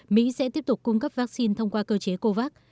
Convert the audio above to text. mỹ sẽ tiếp tục cung cấp vaccine thông qua cơ chế covax